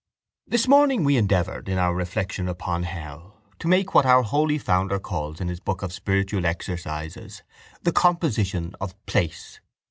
—This morning we endeavoured, in our reflection upon hell, to make what our holy founder calls in his book of spiritual exercises, the composition of place.